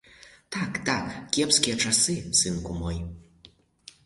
Так, так, кепскія часы, сынку мой!